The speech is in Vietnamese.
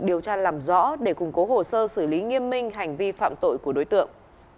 điều tra làm rõ để củng cố hồ sơ xử lý nghiêm minh hành vi phạm tội của đối tượng